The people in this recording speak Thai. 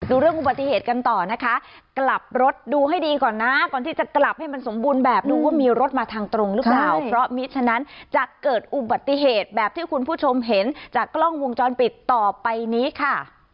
เรื่องอุบัติเหตุกันต่อนะคะกลับรถดูให้ดีก่อนนะก่อนที่จะกลับให้มันสมบูรณ์แบบดูว่ามีรถมาทางตรงหรือเปล่าเพราะมิฉะนั้นจะเกิดอุบัติเหตุแบบที่คุณผู้ชมเห็นจากกล้องวงจรปิดต่อไปนี้ค่ะ